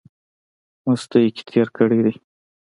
مستۍ کښې تېر کړی دی۔